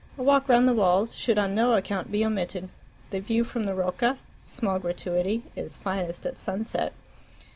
A walk round the Walls should on no account be omitted. The view from the Rocca (small gratuity) is finest at sunset.